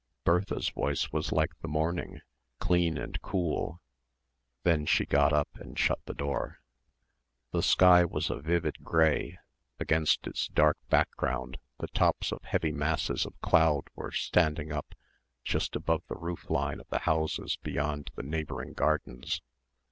Bertha's voice was like the morning, clean and cool.... Then she got up and shut the door. The sky was a vivid grey against its dark background the top of heavy masses of cloud were standing up just above the roof line of the houses beyond the neighbouring gardens.